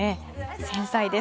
繊細です。